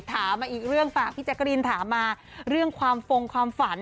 ถามมาอีกเรื่องฝากพี่แจ๊กรีนถามมาเรื่องความฟงความฝัน